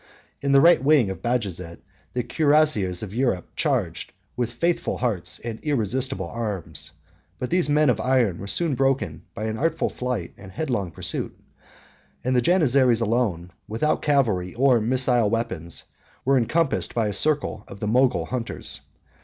In the right wing of Bajazet the cuirassiers of Europe charged, with faithful hearts and irresistible arms: but these men of iron were soon broken by an artful flight and headlong pursuit; and the Janizaries, alone, without cavalry or missile weapons, were encompassed by the circle of the Mogul hunters.